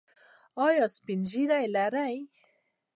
ایا سپین زیړی لرئ؟